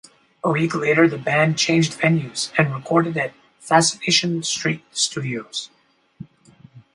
A week later the band changed venues and recorded at Fascination Street Studios.